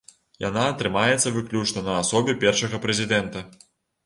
Яна трымаецца выключна на асобе першага прэзідэнта.